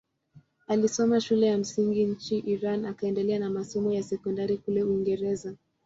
Alisoma shule ya msingi nchini Iran akaendelea na masomo ya sekondari kule Uingereza.